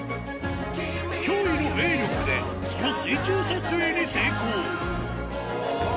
脅威の泳力でその水中撮影に成功。